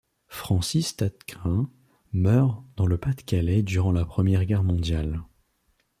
Francis Tattegrain meurt dans le Pas-de-Calais durant la Première Guerre mondiale.